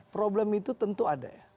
problem itu tentu ada ya